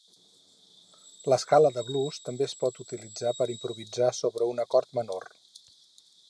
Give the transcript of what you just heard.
L'escala de blues també es pot utilitzar per improvisar sobre un acord menor.